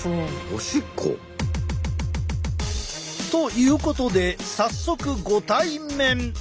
おしっこ？ということで早速ご対面。